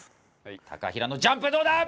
平のジャンプどうだ！？